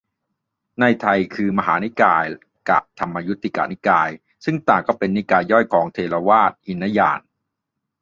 ในไทย คือ มหานิกาย กะ ธรรมยุตินิกาย ซึ่งต่างก็เป็นนิกายย่อยของ เถรวาท หินยาน